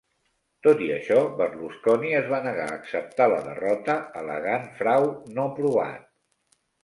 Tot i això, Berlusconi es va negar a acceptar la derrota, al·legant frau no provat.